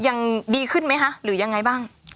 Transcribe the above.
ยังดีขึ้นไหมคะหรือยังไงบ้าง